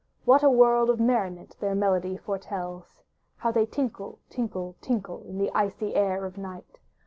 What a world of merriment their melody foretells! How they tinkle, tinkle, tinkle. In the icy air of night!